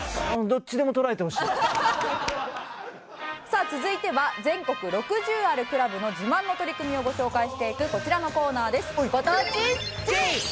さあ続いては全国６０あるクラブの自慢の取り組みをご紹介していくこちらのコーナーです。